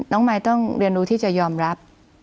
มายต้องเรียนรู้ที่จะยอมรับ